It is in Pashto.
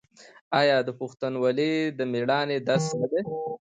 آیا پښتونولي د میړانې درس نه دی؟